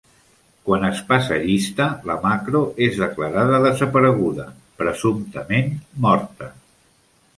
Quan es passa llista, la Macro es declarada desapareguda, presumptament morta.